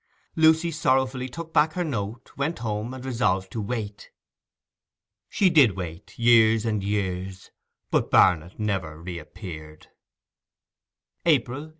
Lucy sorrowfully took back her note went home, and resolved to wait. She did wait—years and years—but Barnet never reappeared. April 1880.